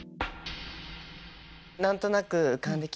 何となく浮かんできました。